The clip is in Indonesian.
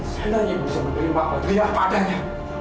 saya lagi bisa menerima kelihatan padanya